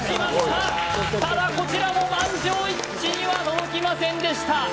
ただこちらも満場一致には届きませんでした